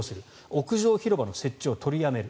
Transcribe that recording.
屋上広場の設置を取りやめる。